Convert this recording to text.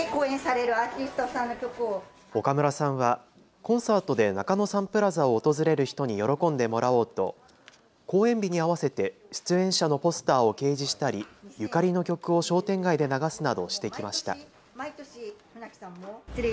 岡村さんはコンサートで中野サンプラザを訪れる人に喜んでもらおうと公演日に合わせて出演者のポスターを掲示したりゆかりの曲を商店街で流すなどしてきました。